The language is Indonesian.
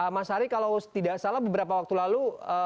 mas ari kalau tidak salah beberapa waktu lalu